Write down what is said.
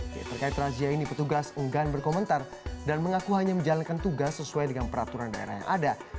di terkait razia ini petugas enggan berkomentar dan mengaku hanya menjalankan tugas sesuai dengan peraturan daerah yang ada